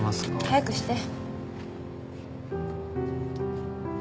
早くして。